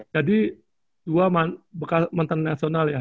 jadi dua bekas mantan nasional ya